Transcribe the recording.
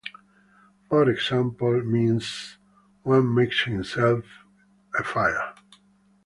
For example, means "one makes himself a fire".